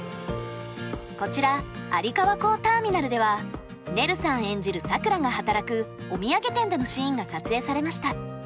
こちら有川港ターミナルではねるさん演じるさくらが働くお土産店でのシーンが撮影されました。